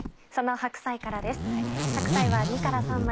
その白菜からです。